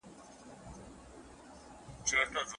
هر څوک کولای سي د خپلي خوښې موضوع انتخاب کړي.